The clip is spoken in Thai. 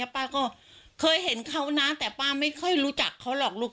ป้าก็เคยเห็นเขานะแต่ป้าไม่ค่อยรู้จักเขาหรอกลูก